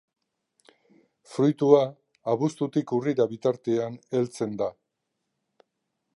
Fruitua abuztutik urrira bitartean heltzen da.